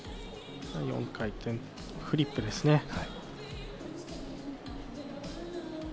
４回転フリップですね。